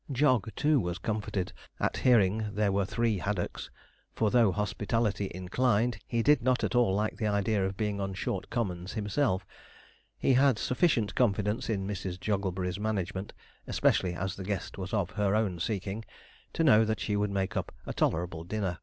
Jog, too, was comforted at hearing there were three haddocks, for though hospitably inclined, he did not at all like the idea of being on short commons himself. He had sufficient confidence in Mrs. Jogglebury's management especially as the guest was of her own seeking to know that she would make up a tolerable dinner.